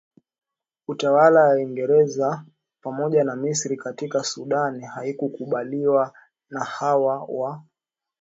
utawala ya uingereza pamoja na misri katika sudan haikukuubaliwa na hawa wa